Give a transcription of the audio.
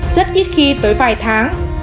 rất ít khi tới vài tháng